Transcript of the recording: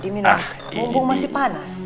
bumbung masih panas